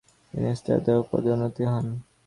তিনি স্থায়ী অধ্যাপক পদে উন্নীত হন।